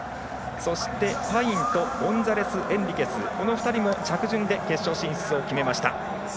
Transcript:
そして、パインとゴンサレスエンリケスが着順で決勝進出を決めました。